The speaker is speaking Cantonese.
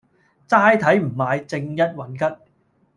齋睇唔買，正一運吉